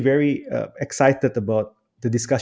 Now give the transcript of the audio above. perbincangan yang telah kita hadirkan